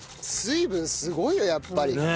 水分すごいよやっぱり。